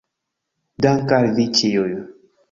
Dank' al vi ĉiuj